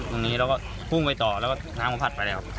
ตรงนี้แล้วก็พรุ่งไปต่อแล้วก็น้ำพัดไปแล้ว